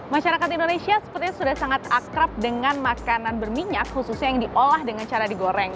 masyarakat indonesia sepertinya sudah sangat akrab dengan makanan berminyak khususnya yang diolah dengan cara digoreng